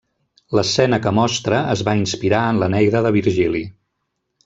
L'escena que mostra es va inspirar en l'Eneida de Virgili.